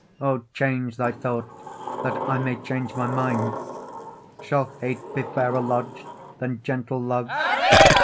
O! change thy thought, that I may change my mind: Shall hate be fairer lodg'd than gentle love?